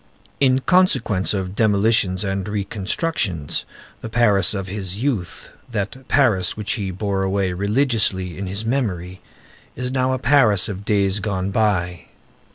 In consequence of demolitions and reconstructions, the Paris of his youth, that Paris which he bore away religiously in his memory, is now a Paris of days gone by.